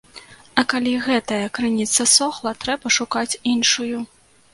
А калі гэтая крыніца ссохла, трэба шукаць іншую.